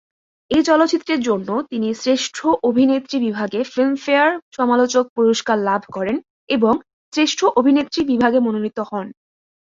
এই চলচ্চিত্রের জন্য তিনি শ্রেষ্ঠ অভিনেত্রী বিভাগে ফিল্মফেয়ার সমালোচক পুরস্কার লাভ করেন, এবং শ্রেষ্ঠ অভিনেত্রী বিভাগে মনোনীত হন।